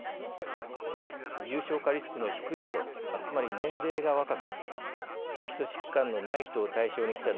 重症化リスクの低い人つまり、年齢が若く基礎疾患のない人を対象にした